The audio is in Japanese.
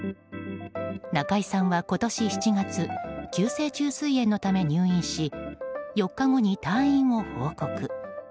中居さんは今年７月急性虫垂炎のため入院し４日後に退院を報告。